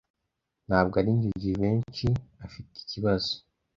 Ntabwo arinjye Jivency afite ikibazo.